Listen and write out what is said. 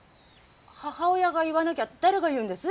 母親が言わなきゃ誰が言うんです？